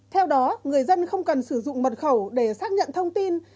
theo đó người dân không cần sử dụng mật khẩu để xác nhận thông tin